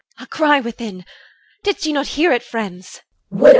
EL. A cry within! Did ye not hear it, friends?